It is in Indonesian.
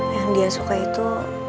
yang dia suka itu